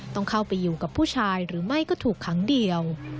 ต้องเข้าไปอยู่กับผู้ชายหรือไม่ก็ถูกครั้งเดียว